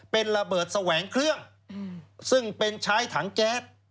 เป็นระเบิดแสวงเครื่องซึ่งเป็นใช้ถังแก๊ส